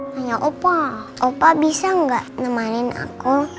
hanya opa opa bisa gak nemarin aku